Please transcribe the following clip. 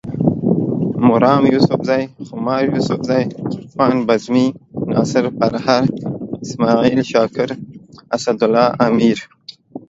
مرام یوسفزے، خمار یوسفزے، عرفان بزمي، ناصر پرهر، اسماعیل شاکر، اسدالله امبر